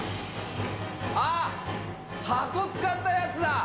あっ、箱使ったやつだ。